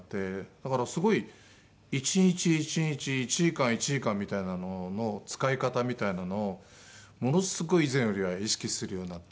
だからすごい１日１日１時間１時間みたいなのの使い方みたいなのをものすごい以前よりは意識するようになって。